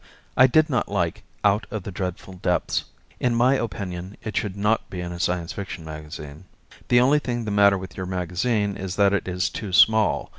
I did not like "Out of the Dreadful Depths." In my opinion it should not be in a Science Fiction magazine. The only thing the matter with your magazine is that it is too small.